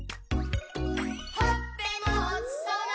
「ほっぺもおちそな」